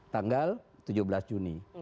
tanggal tujuh belas juni